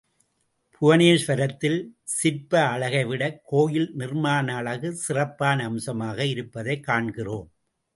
புவனேஸ்வரத்தில் சிற்ப அழகைவிட கோயில் நிர்மாண அழகு சிறப்பான அம்சமாக இருப்பதைக் காண்கிறோம்.